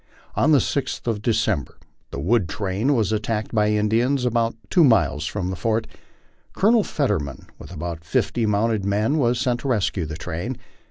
On the 6th of December the wood train was attacked by Indians about two miles from the fort. Colonel Fetterman, with about fifty mounted men, was sent to rescue the train.